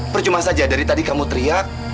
percuma saja dari tadi kamu teriak